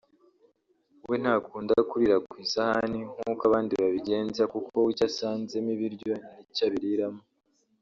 we ntakunda kurira ku isahani nkuko abandi babigenza kuko we icyo asanzemo ibiryo ni cyo abiriramo